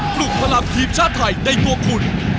กรุกพลับทีพชาติไทยในกว่าคุณ